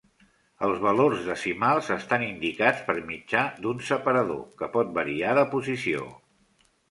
Els valors decimals estan indicats per mitjà d'un separador, que pot variar de posició.